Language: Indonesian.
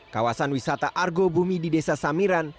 kawasan wisata argo bumi di desa samiran